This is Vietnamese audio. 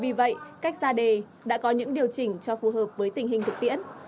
vì vậy cách ra đề đã có những điều chỉnh cho phù hợp với tình hình thực tiễn